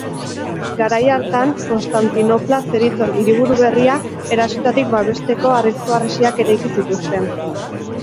Garai hartan Konstantinopla zeritzon hiriburu berria erasoetatik babesteko harrizko harresiak eraiki zituzten.